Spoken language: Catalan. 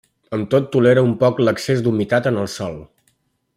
Amb tot tolera un poc l'excés d'humitat en el sòl.